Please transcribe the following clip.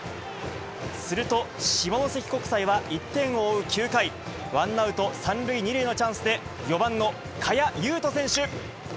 すると下関国際は１点を追う９回、ワンアウト３塁２塁のチャンスで４番のかやゆうと選手。